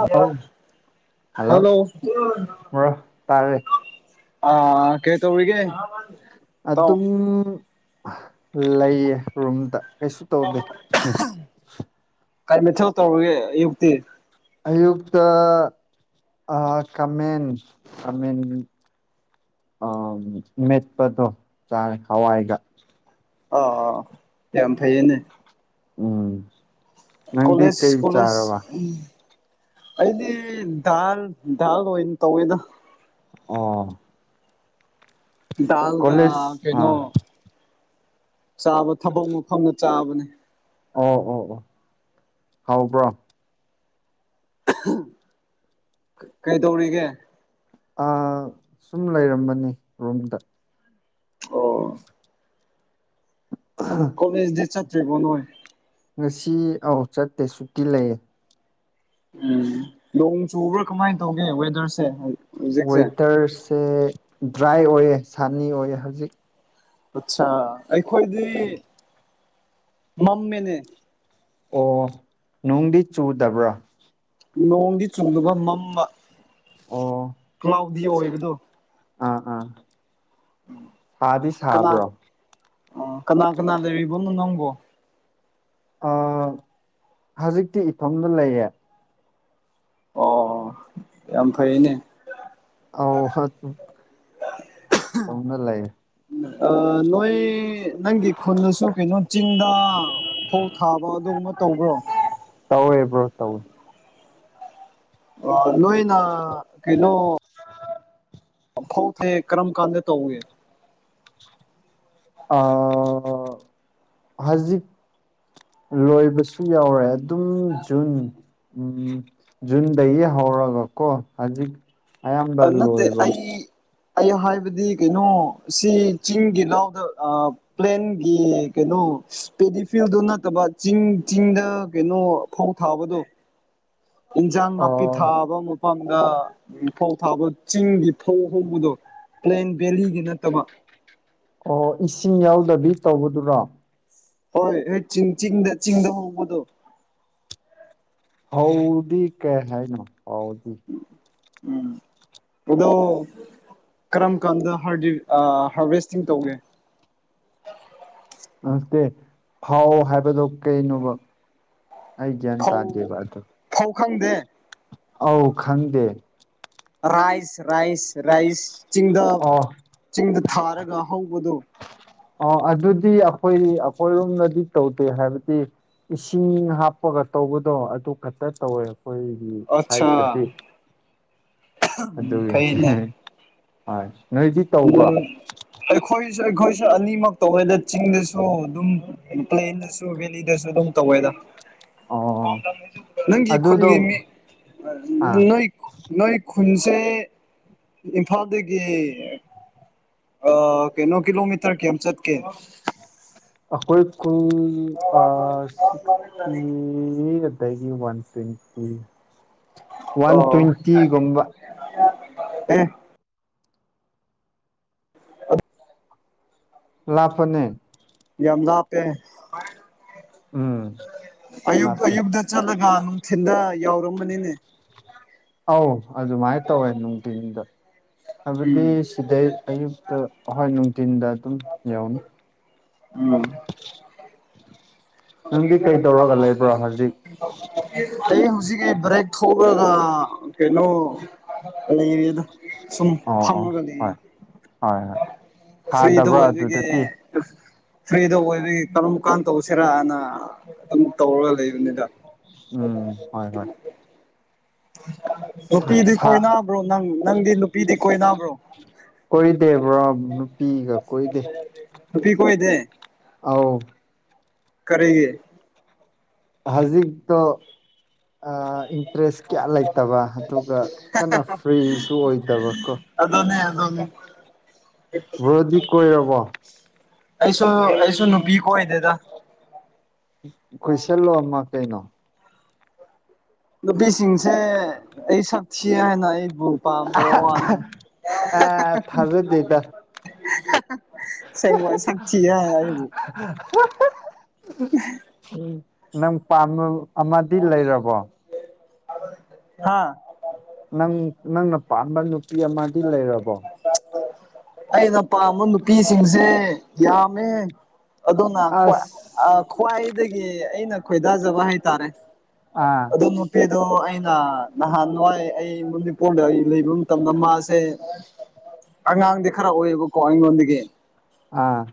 ꯍꯜꯂ ꯍꯜꯂꯣ [unintelligible] ꯇꯥꯔꯦ ꯑꯥ ꯀꯩꯗꯧꯔꯤꯒꯦ ꯑꯗꯨꯝ ꯂꯩꯌꯦ ꯔꯨꯝꯗ ꯀꯩꯁꯨ ꯇꯧꯗꯦ ꯀꯩ ꯃꯊꯦꯜ ꯇꯧꯔꯒꯦ ꯑꯌꯨꯛꯇꯤ ꯑꯌꯨꯛꯇ ꯑꯥ ꯈꯥꯃꯦꯟ ꯈꯥꯃꯦꯟ ꯑꯥ ꯃꯦꯠꯄꯗꯣ ꯆꯥꯔꯦ ꯍꯋꯥꯏꯒ ꯑꯥ ꯑꯥ ꯌꯥꯝ ꯐꯩꯌꯦꯅꯦ ꯎꯝ ꯅꯪꯗꯤ ꯀꯣꯂꯦꯖ ꯀꯩ ꯀꯂꯦꯖ ꯆꯥꯔꯕ ꯎꯝ ꯑꯩꯗꯤ ꯗꯥꯜ ꯗꯥꯜ ꯑꯣꯏꯅ ꯇꯧꯋꯤꯗ ꯑꯣ ꯗꯥꯜꯒ ꯀꯣꯂꯦꯖ ꯀꯩꯅꯣ ꯑꯥ ꯆꯥꯕ ꯊꯕꯛ ꯃꯐꯝꯗ ꯆꯥꯕꯅꯦ ꯑꯣ ꯑꯣ ꯑꯣ ꯍꯥꯎꯕ꯭ꯔꯣ ꯀꯩꯗꯧꯔꯤꯒꯦ ꯁꯨꯝ ꯂꯩꯔꯝꯕꯅꯤ ꯔꯨꯝꯗ ꯑꯣ ꯎ [inaudible] ꯀꯣꯂꯦꯖ ꯇꯤ ꯆꯠꯇ꯭ꯔꯤꯕꯣ ꯅꯣꯏ ꯉꯁꯤ ꯑꯥꯎ ꯆꯠꯇꯦ ꯁꯨꯇꯤ ꯂꯩꯌꯦ ꯎꯝ ꯅꯣꯡ ꯆꯨꯕ꯭ꯔꯥ ꯀꯃꯥꯏ ꯇꯧꯒꯦ ꯋꯦꯗꯔꯁꯦ ꯍꯧꯖꯤꯛꯁꯦ ꯋꯦꯗꯔꯁꯦ ꯗ꯭ꯔꯥꯏ ꯑꯣꯏꯌꯦ ꯁꯟꯅꯤ ꯑꯣꯏꯌꯦ ꯍꯧꯖꯤꯛ ꯑꯠꯆꯥ ꯑꯩꯈꯣꯏꯗꯤ ꯃꯝꯃꯦꯅꯦ ꯑꯣ ꯅꯨꯡꯗꯤ ꯆꯨꯗꯕ꯭ꯔꯥ ꯅꯣꯡꯗꯤ ꯆꯨꯝꯗꯨꯒ ꯃꯝꯕ ꯑꯣ ꯀ꯭ꯂꯥꯎꯗꯤ ꯑꯣꯏꯕꯗꯨ ꯑꯥ ꯑꯥ ꯁꯥꯗꯤ ꯀꯅꯥ ꯁꯥꯕ꯭ꯔꯣ ꯑꯣ ꯀꯅꯥ ꯀꯅꯥ ꯂꯩꯔꯤꯕꯣ ꯅꯪꯕꯣ ꯑꯥ ꯍꯧꯖꯤꯛꯇꯤ ꯏꯇꯣꯝꯗ ꯂꯩꯌꯦ ꯑꯣ ꯌꯥꯝ ꯐꯩꯅꯦ ꯑꯧ ꯍꯠ ꯇꯧꯅ ꯂꯩ ꯑ ꯅꯣꯢ ꯅꯪꯒꯤ ꯈꯨꯟꯗꯁꯨ ꯀꯩꯅꯣ ꯆꯤꯡꯗ ꯐꯧ ꯊꯥꯕ ꯑꯗꯨꯒꯨꯝꯕ ꯇꯧꯕ꯭ꯔꯣ ꯇꯧꯋꯦ ꯕ꯭ꯔꯣ ꯇꯧꯋꯦ ꯑ ꯅꯣꯢꯅ ꯀꯩꯅꯣ ꯐꯧ ꯊꯦ ꯀꯔꯝ ꯀꯥꯟꯗ ꯇꯧꯏ ꯑ ꯍꯖꯤꯛ ꯂꯣꯏꯕꯁꯨ ꯌꯥꯎꯔꯦ ꯑꯗꯨꯝ ꯖꯨꯟ ꯎꯝ ꯖꯨꯟꯗꯒꯤ ꯍꯧꯔꯒ ꯀꯣ ꯍꯧꯖꯤꯛ ꯑꯌꯥꯝꯕ ꯅꯠꯇꯦ ꯂꯣꯢꯕꯝ ꯑꯩ ꯑꯩ ꯍꯥꯢꯕꯗꯤ ꯀꯩꯅꯣ ꯁꯤ ꯆꯤꯡꯒꯤ ꯂꯧꯗ ꯑ ꯄ꯭ꯂꯦꯟꯒꯤ ꯀꯩꯅꯣ ꯄꯦꯗꯤꯐꯤꯜꯗꯨ ꯅꯠꯇꯕ ꯆꯤꯡ ꯆꯤꯡꯗ ꯀꯩꯅꯣ ꯐꯧ ꯊꯥꯕꯗꯨ ꯏꯟꯖꯥꯡ ꯅꯥꯄꯤ ꯑꯣ ꯊꯥꯕ ꯃ ꯐꯝꯗ ꯐꯧ ꯊꯥꯕ ꯆꯤꯡꯒꯤ ꯐꯧ ꯍꯧꯕꯗꯣ ꯄ꯭ꯂꯦꯟ ꯚꯦꯂꯤꯒꯤ ꯅꯠꯇꯕ ꯑꯣ ꯏꯁꯤꯡ ꯌꯥꯎꯗꯕꯤ ꯇꯧꯕꯗꯨꯔꯣ ꯍꯣꯢ ꯑꯦꯠ ꯆꯤꯡ ꯆꯤꯡꯗ ꯆꯤꯡꯗ ꯍꯧꯕꯗꯣ ꯐꯧꯗꯤ ꯀꯩ ꯍꯥꯢꯅꯣ ꯐꯧꯗꯤ ꯎꯝ ꯑꯗꯣ ꯀꯔꯝ ꯀꯥꯟꯗ ꯍꯥꯔꯗꯤ ꯑ ꯍꯥꯔꯚꯦꯁꯇꯤꯡ ꯇꯧꯒꯦ ꯅꯁꯇꯦ ꯐꯥꯎ ꯍꯥꯢꯕꯗꯣ ꯀꯩꯅꯣꯕ ꯑꯩ ꯒ꯭ꯌꯥꯟ ꯐꯧ ꯇꯥꯗꯦꯕ ꯑꯗꯣ ꯐꯧ ꯈꯪꯗꯦ ꯑꯧ ꯈꯪꯗꯦ ꯔꯥꯢꯁ ꯔꯥꯢꯁ ꯔꯥꯢꯁ ꯆꯤꯡꯗ ꯑꯣ ꯆꯤꯡꯗ ꯊꯥꯔꯒ ꯍꯧꯕꯗꯣ ꯑ ꯑꯗꯨꯗꯤ ꯑꯈꯣꯢ ꯑꯈꯣꯢꯔꯣꯝꯅꯗꯤ ꯇꯧꯗꯦ ꯍꯥꯢꯕꯗꯤ ꯏꯁꯤꯡ ꯍꯥꯞꯄꯒ ꯇꯧꯕꯗꯣ ꯑꯗꯨ ꯈꯛꯇ ꯇꯧꯋꯦ ꯑꯩꯈꯣꯢꯒꯤ ꯁ꯭ꯋꯥꯢꯇꯗꯤ ꯀꯩꯅꯣ ꯍꯣꯢ ꯅꯣꯢꯗꯤ ꯇꯧꯕ꯭ꯔꯣ ꯑꯩꯈꯣꯢꯁꯨ ꯑꯩꯈꯣꯢꯁꯨ ꯑꯅꯤꯃꯛ ꯇꯧꯋꯦꯗ ꯆꯤꯡꯗꯁꯨ ꯑꯗꯨꯝ ꯄ꯭ꯂꯦꯟꯗꯁꯨ ꯚꯦꯂꯤꯗꯁꯨ ꯑꯗꯨꯝ ꯇꯧꯋꯦꯗ ꯑꯣ ꯅꯪꯒꯤ ꯑꯗꯨꯗꯣ ꯈꯨꯟꯒꯤ ꯃꯤ ꯑꯥ ꯅꯣꯢ ꯅꯣꯢ ꯈꯨꯟꯁꯦ ꯏꯝꯐꯥꯜꯗꯒꯤ ꯑ ꯀꯩꯅꯣ ꯀꯤꯂꯣꯃꯤꯇꯔ ꯀꯤꯌꯥꯝ ꯆꯠꯀꯦ ꯑꯈꯣꯢ ꯀꯨꯜ ꯑ ꯁꯤꯛꯁꯇꯤ ꯑꯗꯒꯤ ꯋꯥꯟ ꯇ꯭ꯋꯦꯟꯇꯤ ꯋꯥꯟ ꯑꯣ ꯇ꯭ꯋꯦꯟꯇꯤꯒꯨꯝꯕ [unintelligible] ꯑꯦ ꯑꯠ ꯂꯥꯞꯄꯅꯦ ꯌꯥꯝ ꯂꯥꯞꯄꯦ ꯎꯝ ꯑꯌꯨꯛ ꯂꯥꯞꯄꯦ ꯑꯌꯨꯛꯗ ꯆꯠꯂꯒ ꯅꯨꯡꯊꯤꯟꯗ ꯌꯥꯎꯔꯝꯒꯅꯤꯅꯦ ꯑꯧ ꯑꯗꯨꯃꯥꯢ ꯇꯧꯋꯦ ꯅꯨꯡꯗꯤꯟꯗꯣ ꯍꯥꯢꯕꯗꯤ ꯎꯝ ꯁꯤꯗꯩ ꯑꯌꯨꯛꯇ ꯍꯋꯥꯏ ꯅꯨꯡꯊꯤꯟꯗ ꯑꯗꯨꯝ ꯌꯧꯅꯤ ꯎꯝ ꯅꯪꯗꯤ ꯀꯩ ꯇꯧꯔꯒ ꯂꯩꯕ꯭ꯔꯣ ꯍꯧꯖꯤꯛ ꯑꯩ ꯍꯧꯖꯤꯛꯀꯤ ꯕ꯭ꯔꯦꯛ ꯊꯣꯛꯂꯒ ꯀꯩꯅꯣ ꯂꯩꯔꯦꯗ ꯑ ꯑꯧ ꯍꯣꯢ ꯍꯣꯢ ꯁꯥꯗꯕ꯭ꯔꯣ ꯑꯗꯨꯗꯗꯤ ꯑ ꯐ꯭ꯔꯤꯗ ꯑꯣꯢꯕꯒꯤ ꯀꯔꯝ ꯀꯥꯟ ꯇꯧꯁꯤꯔꯅ ꯑꯗꯨꯝ ꯇꯧꯔꯒ ꯂꯩꯕꯅꯤꯗ ꯎꯝ ꯍꯣꯏ ꯍꯣꯏ ꯁꯥ ꯅꯨꯄꯤꯗꯤ ꯁꯥ ꯀꯣꯏꯅꯕ꯭ꯔꯣ ꯅꯪ ꯅꯪꯗꯤ ꯅꯨꯄꯤꯗꯤ ꯀꯣꯏꯅꯕ꯭ꯔꯣ ꯀꯣꯏꯗꯦ ꯕ꯭ꯔꯣ ꯅꯨꯄꯤꯒ ꯀꯣꯏꯗꯦ ꯅꯨꯄꯤ ꯀꯣꯏꯗꯦ ꯑꯥꯎ ꯀꯔꯤꯒꯤ ꯍꯧꯖꯤꯛꯇꯣ ꯑꯥ ꯗ꯭ꯔꯦꯁ ꯀꯌꯥ ꯂꯩꯇꯕ ꯑꯗꯨꯒ ꯀꯟꯅ ꯐ꯭ꯔꯤꯁꯨ ꯑꯣꯏꯗꯕ ꯀꯣ ꯑꯗꯨꯅꯦ ꯑꯗꯨꯅꯤ ꯕꯔꯣꯗꯤ ꯀꯣꯏꯔꯕꯣ ꯑꯩꯁꯨ ꯑꯩꯁꯨ ꯅꯨꯄꯤ ꯀꯣꯏꯗꯦꯗ ꯀꯣꯏꯁꯜꯂꯣ ꯑꯃ ꯀꯩꯅꯣ ꯅꯨꯄꯤꯁꯤꯡꯁꯦ ꯑꯩ ꯁ ꯊꯤ ꯍꯥꯏꯅ ꯑꯩꯕꯨ ꯄꯥꯝꯗꯕ ꯋꯥꯅꯤ ꯑꯦ ꯊꯥꯖꯗꯦꯗ ꯑꯁꯦꯡꯕ ꯁꯛ ꯊꯤ ꯍꯥꯏ ꯑꯩꯕꯨ ꯅꯪ ꯄꯥꯝꯕ ꯑꯃꯗꯤ ꯂꯩꯔꯕꯣ ꯍꯥꯥ ꯅꯪ ꯅꯪꯅ ꯄꯥꯝꯕ ꯅꯨꯄꯤ ꯑꯃꯗꯤ ꯂꯩꯔꯕꯣ ꯑꯩꯅ ꯄꯥꯝꯕ ꯅꯨꯄꯤꯁꯤꯡꯁꯦ ꯌꯥꯝꯃꯦ ꯑꯗꯨꯅ ꯑꯁ ꯈꯋꯥꯏ ꯈ꯭ꯋꯥꯏꯗꯒꯤ ꯑꯩꯅ ꯈꯣꯏꯗꯥꯖꯕ ꯍꯥꯏꯇꯥꯔꯦ ꯑꯥ ꯑ ꯅꯨꯄꯤꯗꯣ ꯑꯩꯅ ꯅꯍꯥꯟꯋꯥꯏ ꯑꯩ ꯃꯅꯤꯄꯨꯔꯗ ꯑꯩ ꯂꯩꯕ ꯃꯇꯝꯗ ꯃꯥꯁ ꯁꯦ ꯑꯉꯥꯡꯗꯤ ꯈꯔ ꯑꯣꯏꯌꯦꯕꯀꯣ ꯑꯩꯉꯣꯟꯗꯒꯤ ꯑꯥ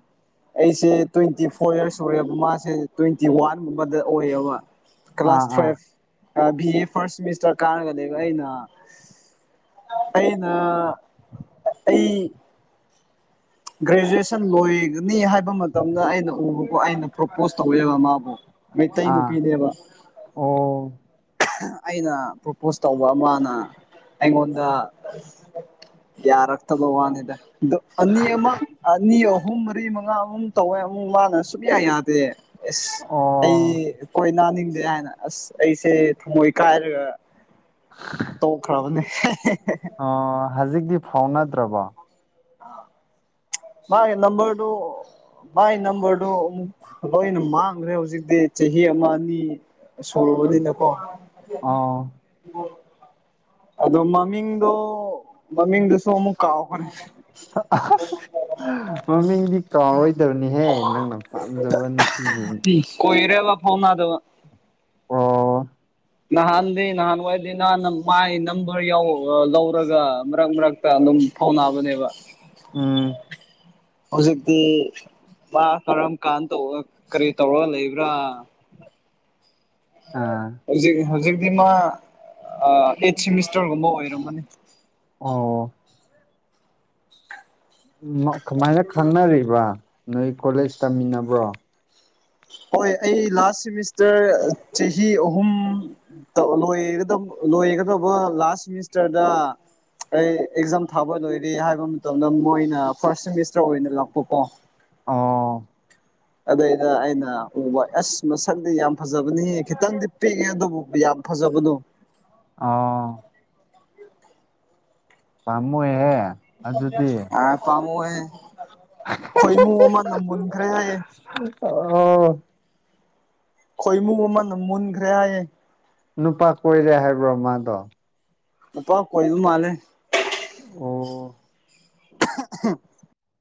ꯑꯩꯁꯦ ꯇ꯭ꯋꯦꯟꯇꯤ ꯐꯣꯔ ꯏꯔꯁ ꯑꯣꯏꯔꯕ ꯃꯥꯁꯦ ꯇ꯭ꯋꯦꯟꯇꯤ ꯋꯥꯟꯒꯨꯝꯕꯗ ꯑꯣꯏꯌꯦꯕ ꯑꯥ ꯀ꯭ꯂꯥꯁ ꯑꯥ five B A first semester ꯀꯥꯔꯒꯅꯦꯕ ꯑꯩꯅ ꯑꯩ ꯑ ꯑꯩ ꯒ꯭ꯔꯦꯖꯨꯑꯦꯁꯟ ꯂꯣꯏꯒꯅꯤ ꯍꯥꯏꯕ ꯃꯇꯝꯗ ꯑꯩꯅ ꯎꯕꯀꯣ ꯑꯩꯅ ꯄ꯭ꯔꯣꯄꯣꯁ ꯇꯧꯋꯦꯕ ꯃꯥꯕꯨ ꯃꯩꯇꯩ ꯑꯥ ꯅꯨꯄꯤꯅꯦꯕ ꯑꯣ ꯑꯩꯅ ꯄ꯭ꯔꯣꯄꯣꯁ ꯇꯧꯕ ꯑꯃꯅ ꯑꯩꯉꯣꯟꯗ ꯌꯥꯔꯛꯇꯕ ꯋꯥꯅꯤꯗ ꯑꯗꯣ ꯑꯅꯤ ꯑꯃꯛ ꯑꯅꯤ ꯑ ꯑꯍꯨꯝ ꯃꯔꯤ ꯃꯉꯥꯃꯨꯨꯛ ꯇꯧꯋꯦ ꯑꯃꯨꯛ ꯃꯥꯅ ꯁꯨꯛꯌꯥ ꯌꯥꯗꯦ ꯑꯦꯁ ꯑꯣ ꯑꯩ ꯀꯣꯏꯅꯥꯅꯤꯡꯗꯦ ꯍꯥꯏꯅ ꯑꯁ ꯑꯩꯁꯦ ꯊꯃꯣꯏ ꯀꯥꯏꯔꯒ ꯇꯣꯛꯈ꯭ꯔꯕꯅꯦ ꯑꯣ ꯍꯧꯖꯤꯛꯇꯤ ꯐꯥꯎꯅꯗ꯭ꯔꯕꯣ ꯃꯥꯢ ꯅꯝꯕꯔꯗꯣ ꯃꯥꯏ ꯅꯝꯕꯔꯗꯣ ꯑꯃꯨꯛ ꯂꯣꯏꯅ ꯃꯥꯡꯈ꯭ꯔꯦ ꯍꯧꯖꯤꯛꯇꯤ ꯆꯍꯤ ꯑꯃ ꯑꯅꯤ ꯁꯨꯔꯕꯅꯤꯅ ꯀꯣ ꯑꯥꯎ [unintelligible] ꯑꯗꯣ ꯃꯃꯤꯡꯗꯣ ꯃꯃꯤꯡꯗꯨꯁꯨ ꯑꯃꯨꯛ ꯀꯥꯎꯈ꯭ꯔꯦ [unintelligible] ꯃꯃꯤꯡꯗꯤ ꯀꯥꯎꯔꯣꯏꯗꯕꯅꯤꯍꯦ ꯅꯪꯅ ꯄꯥꯝꯖꯕ ꯅꯨꯄꯤꯅꯤ ꯀꯣꯏꯔꯦꯕ ꯐꯥꯎꯅꯗꯕ ꯑꯣ ꯅꯍꯥꯟꯗꯤ ꯅꯍꯥꯟꯋꯥꯏꯗꯤ ꯅꯍꯥꯟ ꯃꯥꯏ ꯅꯝꯕꯔ ꯌꯧ ꯂꯧꯔꯒ ꯃꯔꯛ ꯃꯔꯛ ꯇ ꯑꯗꯨꯝ ꯐꯥꯎꯅꯕꯅꯦꯕ ꯎꯝ ꯍꯧꯖꯤꯛꯇꯤ ꯃꯥ ꯀꯔꯝ ꯀꯥꯟ ꯇꯧ ꯀꯔꯤ ꯇꯧꯔ ꯂꯩꯕ꯭ꯔꯥ ꯑꯥ ꯍꯧꯖꯤꯛ ꯍꯧꯖꯤꯛꯇꯤ ꯃꯥ ꯑ ꯑꯩꯠ ꯁꯦꯃꯤꯁꯇꯔꯒꯨꯝꯕ ꯑꯣꯏꯔꯝꯒꯅꯤ ꯑꯣ ꯀꯃꯥꯏꯅ ꯈꯪꯅꯔꯤꯕ ꯅꯣꯏ ꯀꯣꯂꯦꯖ ꯇꯝꯃꯤꯟꯅꯕ꯭ꯔꯣ ꯍꯣꯏ ꯑꯩ ꯂꯥꯁ ꯁꯤꯃꯤꯁꯇꯔ ꯆꯍꯤ ꯑꯍꯨꯝ ꯇꯧ ꯂꯣꯏꯒꯗꯧ ꯂꯣꯏꯒꯗꯧꯕ ꯂꯥꯁ ꯁꯤꯃꯤꯁꯇꯔꯗ ꯑꯩ ꯑꯦꯛꯖꯥꯝ ꯊꯥꯕ ꯂꯣꯏꯔꯦ ꯍꯥꯏꯕ ꯃꯇꯝꯗ ꯃꯣꯏꯅ ꯐꯥꯔꯁ ꯁꯦꯃꯤꯁꯇꯔ ꯑꯣꯏꯅ ꯂꯥꯛꯄꯀꯣ ꯑꯥ ꯑꯗꯩꯗ ꯑꯩꯅ ꯎꯕ ꯑꯁ ꯃꯁꯛꯇꯤ ꯌꯥꯝ ꯐꯖꯕꯅꯤꯍꯦ ꯈꯤꯇꯪꯗꯤ ꯄꯤꯛꯑꯦ ꯑꯗꯨꯕꯨ ꯌꯥꯝ ꯐꯖꯕꯗꯣ ꯑꯥꯎ ꯄꯥꯝꯃꯨꯏꯍꯦ ꯑꯗꯨꯗꯤ ꯑꯥ ꯄꯥꯝꯃꯨꯍꯦ ꯈꯣꯏꯃꯨ ꯑꯃꯅ ꯃꯨꯟꯈꯔꯦ ꯍꯥꯏꯌꯦ ꯑꯣ ꯈꯣꯏꯃꯨ ꯑꯃꯅ ꯃꯨꯟꯈ꯭ꯔꯦ ꯍꯥꯏꯌꯦ ꯅꯨꯄꯥ ꯀꯣꯏꯔꯦ ꯍꯥꯏꯕ꯭ꯔꯣ ꯃꯥꯗꯣ ꯅꯨꯄꯥ ꯀꯣꯏꯕ ꯃꯥꯜꯂꯦ ꯑꯣ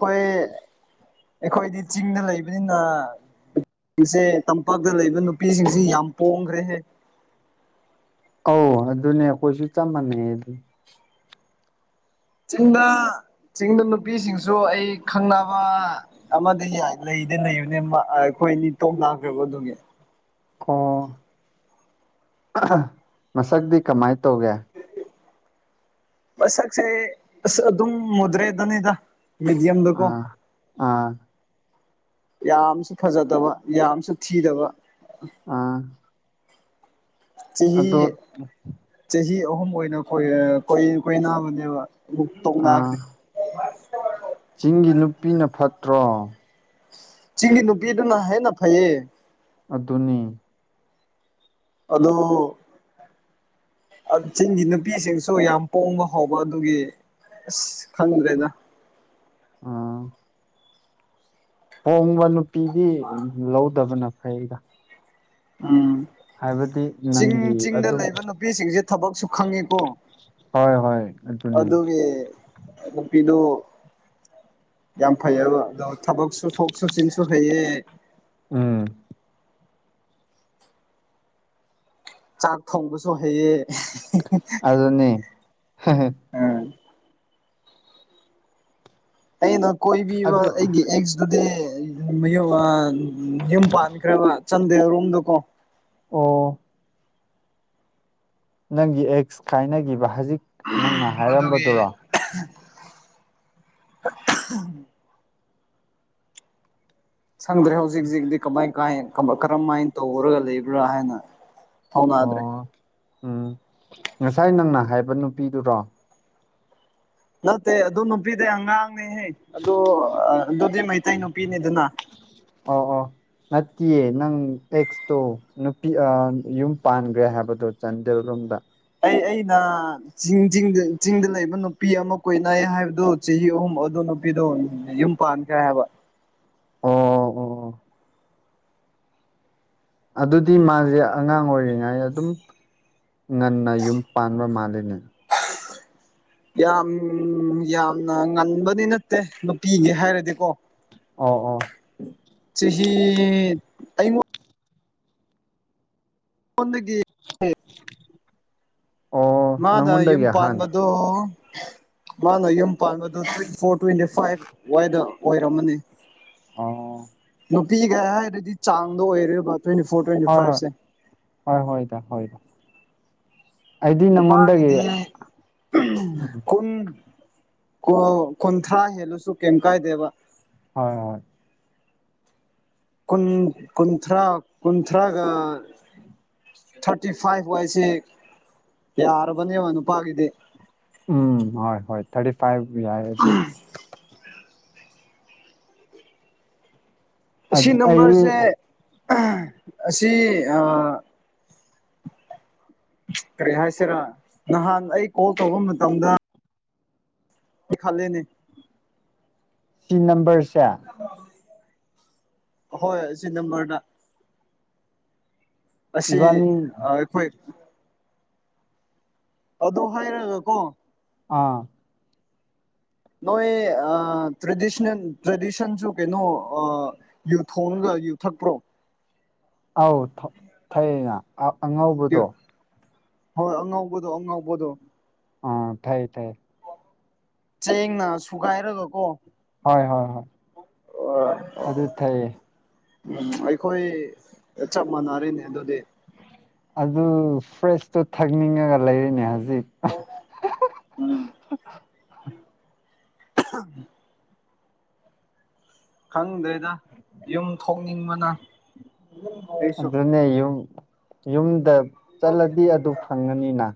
ꯈꯣꯏ ꯑꯩꯈꯣꯏꯗꯤ ꯆꯤꯡꯗ ꯂꯩꯕꯅꯤꯅ ꯄꯤꯖꯦ ꯇꯝꯄꯥꯛꯇ ꯂꯩꯕ ꯅꯨꯄꯤꯁꯤꯡꯁꯦ ꯌꯥꯝ ꯄꯣꯡꯒ꯭ꯔꯦꯍꯦ ꯑꯧ ꯑꯗꯨꯅꯦ ꯑꯩꯈꯣꯏꯁꯨ ꯆꯞ ꯃꯥꯟꯅꯩ ꯑꯗꯨ ꯆꯤꯡꯗ ꯆꯤꯡꯗ ꯅꯨꯄꯤꯁꯤꯡꯁꯨ ꯑꯩ ꯈꯪꯅꯕ ꯑꯃꯗꯤ ꯌꯥꯏ ꯂꯩꯗꯤ ꯂꯩꯕꯅꯦ ꯑꯃ ꯑꯩꯈꯣꯏ ꯅꯤ ꯇꯣꯛꯅꯈ꯭ꯔꯕ ꯑꯗꯨꯒꯤ ꯑꯣ ꯃꯁꯛꯗꯤ ꯀꯃꯥꯏ ꯇꯧꯒꯦ ꯃꯁꯛꯖꯦ ꯑꯗꯨꯝ ꯃꯗ꯭ꯔꯦꯗꯨꯅꯤꯗ ꯑ ꯑꯥ ꯌꯥꯝꯁꯨ ꯐꯖꯗꯕ ꯌꯥꯝꯁꯨ ꯊꯤꯗꯕ ꯑꯥ ꯆꯍꯤ ꯑꯗꯣ ꯆꯍꯤ ꯑꯍꯨꯝ ꯑꯣꯢꯅ ꯀꯣꯏ ꯑ ꯀꯣꯢꯅꯕꯅꯦꯕ ꯃꯨꯛ ꯑꯥ ꯇꯣꯛꯅꯒ꯭ꯔꯦ ꯆꯤꯡꯒꯤ ꯅꯨꯄꯤꯅ ꯐꯠꯇ꯭ꯔꯣ ꯆꯤꯡꯒꯤ ꯅꯨꯄꯤꯗꯨꯅ ꯍꯦꯟꯅ ꯐꯩꯌꯦ ꯑꯗꯨꯅꯤ ꯑꯗꯣ ꯑꯠ ꯆꯤꯡꯒꯤ ꯅꯨꯄꯤꯁꯤꯡꯁꯨ ꯌꯥꯝ ꯄꯣꯡꯕ ꯍꯥꯎꯕ ꯑꯗꯨꯒꯤ ꯑꯁ ꯈꯪꯗ꯭ꯔꯦꯅ ꯑꯥ ꯍꯣꯡꯕ ꯅꯨꯄꯤꯗꯤ ꯂꯧꯗꯕꯅ ꯐꯩꯗ ꯎꯝ ꯍꯥꯏꯕꯗꯤ ꯆꯤꯡ ꯅꯪꯒꯤ ꯆꯤꯡꯗ ꯑꯗꯨꯝ ꯂꯩꯕ ꯅꯨꯄꯤꯁꯤꯡꯁꯦ ꯊꯕꯛꯁꯨ ꯈꯪꯉꯤꯀꯣ ꯍꯣꯏ ꯍꯣꯏ ꯑꯗꯨꯅꯦ ꯑꯗꯨꯒꯤ ꯅꯨꯄꯤꯗꯨ ꯌꯥꯝ ꯐꯩꯌꯦꯕ ꯑꯣ ꯊꯕꯛ ꯆꯠꯊꯣꯛ ꯆꯠꯁꯤꯟꯁꯨ ꯐꯩꯌꯦ ꯎꯝ ꯆꯥꯛ ꯊꯣꯡꯕꯁꯨ ꯍꯩꯌꯦ ꯍꯦꯍꯦ ꯑꯗꯨꯅꯦ ꯍꯥ ꯍꯥ ꯑꯥ ꯑꯩꯅ ꯀꯣꯏꯕꯤꯕ ꯑꯗꯨ ꯑꯩꯒꯤ ꯑꯦꯛꯁꯇꯨꯗꯤ ꯨꯃꯌꯨꯝ ꯑꯥ ꯌꯨꯝ ꯄꯥꯟꯈ꯭ꯔꯦꯕ ꯆꯟꯗꯦꯟꯔꯣꯝꯗꯀꯣ ꯑꯣ ꯅꯪꯒꯤ ꯑꯦꯛꯁ ꯀꯥꯏꯅꯈꯤꯕ ꯍꯧꯖꯤꯛ ꯅꯪꯅ ꯑꯗꯨꯒꯤ ꯍꯥꯏꯔꯝꯕꯗꯨꯔꯣ [unintelligible] ꯁꯪꯗꯔꯦ ꯍꯧꯖꯤꯛ ꯍꯧꯖꯤꯛꯇꯤ ꯀꯃꯥꯏ ꯀꯥꯏ ꯀꯔꯝꯃꯥꯏꯅ ꯇꯧꯔꯒ ꯂꯩꯕ꯭ꯔꯥ ꯍꯥꯏꯅ ꯐꯥꯎꯅꯗ꯭ꯔꯦ ꯑꯣ ꯎꯝ ꯉꯁꯥꯏ ꯅꯪꯅ ꯍꯥꯏꯕ ꯅꯨꯄꯤꯗꯨꯔꯣ ꯅꯠꯇꯦ ꯑꯗꯨ ꯅꯨꯄꯤꯗꯤ ꯑꯉꯥꯡꯅꯦꯍꯦ ꯑꯗꯨ ꯑꯗꯨꯗꯤ ꯃꯩꯇꯩ ꯅꯨꯄꯤꯅꯤꯗꯅ ꯑꯣ ꯍꯣ ꯅꯠꯇꯤꯌꯦ ꯅꯪ ꯑꯦꯛꯁꯇꯣ ꯅꯨꯄꯤ ꯑꯥ ꯌꯨꯝ ꯄꯥꯟꯈ꯭ꯔꯦ ꯍꯥꯏꯕꯗꯣ ꯆꯥꯟꯗꯦꯜꯔꯣꯝꯗ ꯑꯩ ꯑꯩꯅ ꯆꯤꯡꯗ ꯆꯤꯡꯗ ꯂꯩꯕ ꯅꯨꯄꯤ ꯑꯃ ꯀꯣꯏꯅꯩ ꯍꯥꯏꯕꯗꯨ ꯆꯍꯤ ꯑꯍꯨꯝ ꯑꯗꯨ ꯅꯨꯄꯤꯗꯣ ꯌꯨꯝ ꯄꯥꯟꯈꯔꯦ ꯍꯥꯏꯕ ꯑꯣ ꯑꯣ ꯑꯣ ꯑꯗꯨꯗꯤ ꯃꯥꯁꯦ ꯑꯉꯥꯡ ꯑꯣꯏꯔꯤꯉꯩꯗ ꯑꯗꯨꯝ ꯉꯟꯅ ꯌꯨꯝ ꯄꯥꯟꯕ ꯃꯥꯜꯂꯦꯅꯦ ꯌꯥꯝ ꯌꯥꯝꯅ ꯉꯟꯕꯗꯤ ꯅꯠꯇꯦ ꯅꯨꯄꯤꯒꯤ ꯍꯥꯏꯔꯗꯤꯀꯣ ꯑꯣ ꯑꯣ ꯆꯤꯍꯤ ꯑꯩꯉꯣꯟ ꯑꯩꯉꯣꯟꯗꯒꯤ ꯑꯣ ꯅꯪꯉꯣꯟꯗꯒꯤ ꯑꯍꯟ ꯑꯗꯣ ꯃꯥꯅ ꯌꯨꯝ ꯄꯥꯟꯕꯗꯣ ꯇ꯭ꯋꯦꯟꯇꯤ ꯐꯣꯔ ꯇ꯭ꯋꯦꯟꯇꯤ ꯐꯥꯏꯚ ꯑꯗꯋꯥꯏꯗ ꯑꯣꯏꯔꯝꯃꯅꯤ ꯑꯣ ꯅꯨꯄꯤꯒ ꯍꯥꯏꯔꯗꯤ ꯆꯥꯡꯗ ꯑꯣꯏꯔꯦꯕ ꯇ꯭ꯋꯦꯟꯇꯤ ꯐꯣꯔ ꯇ꯭ꯋꯦꯟꯇꯤ ꯍꯣꯏ ꯐꯥꯏꯚꯁꯦ ꯍꯣꯏ ꯍꯣꯏ ꯍꯣꯏꯗ ꯍꯣꯏꯗ ꯑꯩꯗꯤ ꯅꯪꯉꯣꯟꯗꯒꯤ ꯅꯨꯄꯥꯒꯤꯗꯤ ꯑꯍꯝ ꯎꯝ ꯀꯨꯟ ꯀꯨꯟꯊꯔꯥ ꯍꯦꯜꯂꯁꯨ ꯀꯩꯝ ꯀꯥꯏꯗꯦꯕ ꯍꯣꯏ ꯍꯣꯏ ꯀꯨꯟ ꯀꯨꯟꯊ꯭ꯔꯥ ꯀꯨꯟꯊ꯭ꯔꯥꯒ ꯊꯥꯔꯇꯤ ꯐꯥꯏꯚ ꯋꯥꯏꯁꯦ ꯌꯥꯔꯕꯅꯦꯕ ꯅꯨꯄꯥꯒꯤꯗꯤ ꯎꯝ ꯍꯣꯏ ꯍꯣꯏ ꯊꯥꯔꯇꯤ ꯐꯥꯏꯚ ꯌꯥꯏ ꯑꯗꯨꯝ ꯑꯁꯤ ꯑꯩ ꯅꯝꯕꯔꯁꯦ ꯑꯁꯤ ꯑꯥ ꯀꯔꯤ ꯍꯥꯏꯁꯤꯔꯥ ꯅꯍꯥꯟ ꯑꯩ ꯀꯣꯜ ꯇꯧꯕ ꯃꯇꯝꯗ ꯈꯜꯂꯦꯅꯦ ꯁꯤ ꯅꯝꯕꯔꯁꯦ ꯑꯍꯣꯏ ꯑꯁꯤ ꯅꯝꯕꯔꯗ ꯑꯁꯤ ꯏꯕꯥꯅꯤ ꯑꯥ ꯑꯩꯈꯣꯏ ꯑꯗꯨ ꯍꯥꯏꯔꯒ ꯀꯣ ꯑꯥ ꯅꯣꯏ ꯑꯥ ꯇ꯭ꯔꯦꯗꯤꯁꯅꯦꯜ ꯇ꯭ꯔꯦꯗꯤꯁꯟꯁꯨꯨ ꯀꯩꯅꯣ ꯑꯥ ꯌꯨ ꯊꯣꯡꯔꯒ ꯌꯨ ꯊꯛꯄ꯭ꯔꯣ ꯑꯧ ꯊꯩ ꯊꯛꯑꯦꯅ ꯑꯉꯧꯕꯗꯣ ꯍꯣꯏ ꯑꯉꯥꯎꯕꯗꯣ ꯑꯉꯥꯎꯕꯗꯣ ꯑꯥ ꯐꯩ ꯐꯩ ꯆꯦꯡꯅ ꯁꯨꯒꯥꯏꯔꯒꯀꯣ ꯍꯣꯏ ꯍꯣꯏ ꯍꯣꯏ ꯑꯗꯨ ꯊꯛꯑꯦ ꯎꯝ ꯑꯩꯈꯣꯏ ꯆꯞ ꯃꯟꯅꯔꯦꯅꯦ ꯑꯗꯨꯗꯤ ꯑꯗꯨ ꯐ꯭ꯔꯦꯁꯇꯨ ꯊꯛꯅꯤꯡꯉꯒ ꯂꯩꯔꯤꯅꯦ ꯍꯧꯖꯤꯛ ꯎꯝ [unintelligible] ꯈꯪꯗ꯭ꯔꯦꯗ ꯌꯨꯝ ꯊꯣꯛꯅꯤꯡꯕꯅ ꯑꯩꯁꯨ ꯑꯗꯨꯅꯦ ꯌꯨꯝ ꯌꯨꯝꯗ ꯆꯠꯂꯗꯤ ꯑꯗꯨ ꯐꯪꯉꯅꯤꯅ